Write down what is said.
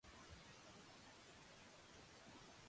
北海道東川町